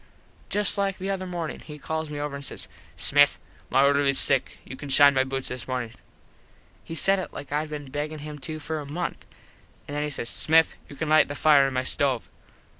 Just like the other mornin he calls me over an says, "Smith, my orderlies sick. You can shine my boots this mornin." He said it like Id been beggin him to for a month. An then he says, "Smith you can lite the fire in my stove."